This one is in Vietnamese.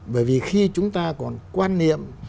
bởi vì khi chúng ta còn quan niệm